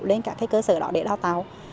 lên các cái cơ sở đó để đào tàu